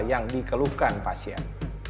yang dikeluhkan pasien